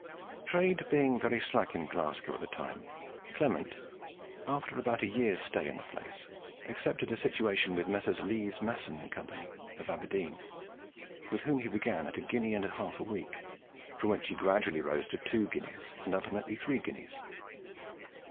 Trade being very slack in Glasgow at the time, Clement, after about a year's stay in the place, accepted a situation with Messrs. Leys, Masson, and Co., of Aberdeen, with whom he began at a guinea and a half a week, from which he gradually rose to two guineas, and ultimately to three guineas.